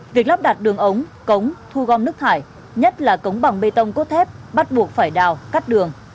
việc lắp đặt đường ống cống thu gom nước thải nhất là cống bằng bê tông cốt thép bắt buộc phải đào cắt đường